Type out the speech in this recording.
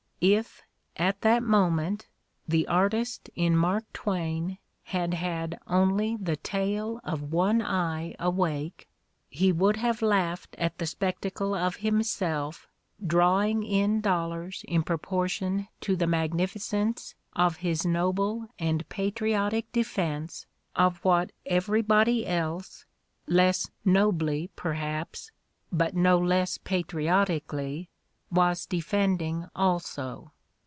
If, at that moment, the artist in Mark Twain had had only the tail of one eye awake, he would have laughed at the spectacle of himself drawing in dollars in proportion to the mag nificence of his noble and patriotic defense of what everybody else, less nobly perhaps, but no less patriot ically, was defending also.